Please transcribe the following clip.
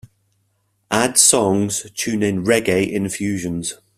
add songs tune in Reggae Infusions